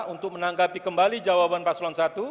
untuk menanggapi kembali jawaban paslon satu